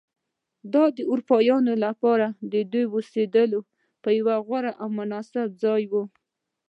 دا د اروپایانو لپاره د اوسېدو یو غوره او مناسب ځای و.